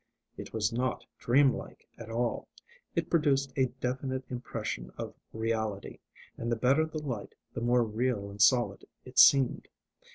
It was not dream like at all: it produced a definite impression of reality, and the better the light the more real and solid it seemed.